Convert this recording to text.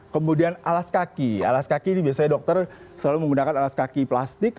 kemudian alas kaki alas kaki ini biasanya dokter selalu menggunakan alas kaki plastik